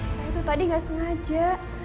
saya itu tadi nggak sengaja